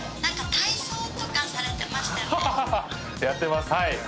やってます。